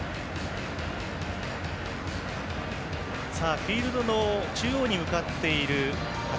フィールドの中央に向かっている旗。